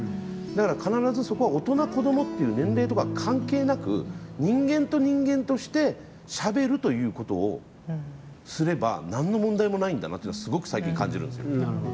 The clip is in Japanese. だから必ず、そこは大人子どもっていう年齢とか関係なく人間と人間としてしゃべるということをすればなんの問題もないんだなっていうのはすごく最近感じるんですよ。